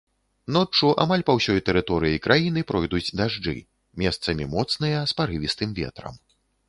Ноччу амаль па ўсёй тэрыторыі краіны пройдуць дажджы, месцамі моцныя, з парывістым ветрам.